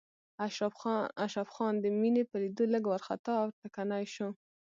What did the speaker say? اشرف خان د مينې په ليدو لږ وارخطا او ټکنی شو.